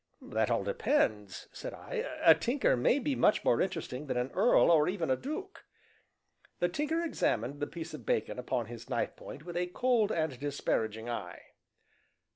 "That all depends," said I; "a tinker may be much more interesting than an earl or even a duke." The Tinker examined the piece of bacon upon his knifepoint with a cold and disparaging eye.